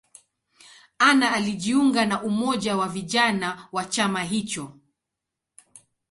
Anna alijiunga na umoja wa vijana wa chama hicho.